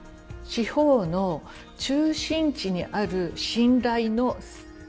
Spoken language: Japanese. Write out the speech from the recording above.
地方の中心地にある信頼の塊。